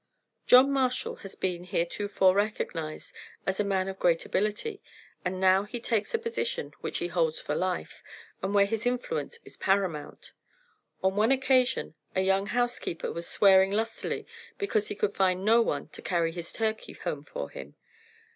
John Marshall has been heretofore recognized as a man of great ability, and now he takes a position which he holds for life, and where his influence is paramount. On one occasion a young house keeper was swearing lustily because he could find no one to carry his turkey home for him.